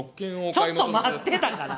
ちょっと待ってだから！